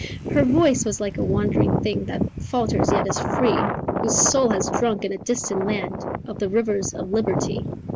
Her voice was like a wandering thing That falters yet is free, Whose soul has drunk in a distant land Of the rivers of liberty.